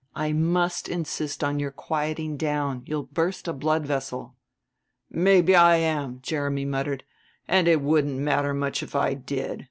I must insist on your quieting down; you'll burst a blood vessel." "Maybe I am," Jeremy muttered; "and it wouldn't matter much if I did.